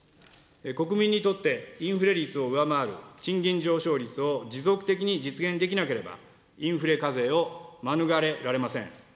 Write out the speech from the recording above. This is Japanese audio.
国民にとって、インフレ率を上回る賃金上昇率を持続的に実現できなければ、インフレ課税を免れられません。